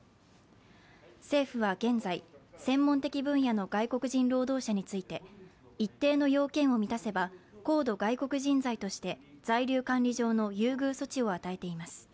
政府は現在、専門的分野の外国人労働者について一定の要件を満たせば高度外国人材として在留管理上の優遇措置を与えています。